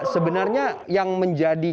sebenarnya yang menjadi